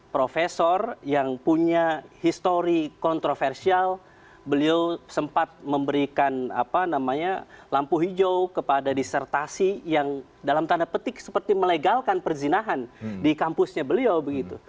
profesor yang punya histori kontroversial beliau sempat memberikan lampu hijau kepada disertasi yang dalam tanda petik seperti melegalkan perzinahan di kampusnya beliau begitu